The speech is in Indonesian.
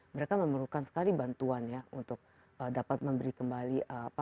mereka memerlukan sekali bantuan ya untuk dapat memberi kembali